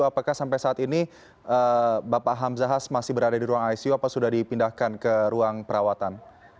apakah sampai saat ini bapak hamzahas masih berada di ruang icu apa sudah dipindahkan ke ruang perawatan